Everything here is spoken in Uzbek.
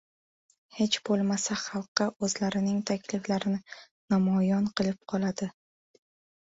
Hech boʻlmasa xalqqa oʻzlarining takliflarini namoyon qilib qoladi.